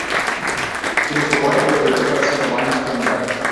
It is a wide river that cuts into limestone beds.